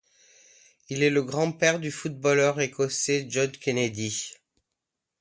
Il est le grand-père du footballeur écossais John Kennedy.